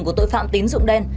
của tội phạm tín dụng đen